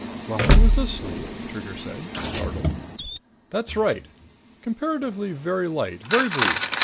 "While I was asleep?" Trigger said, startled. "That's right. Comparatively very light, very brief.